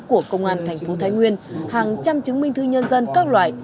của công an thành phố thái nguyên hàng trăm chứng minh thư nhân dân các loại